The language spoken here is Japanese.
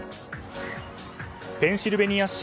ペンシルベニア州